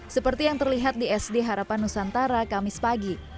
seperti yang terlihat di sd harapan nusantara kamis pagi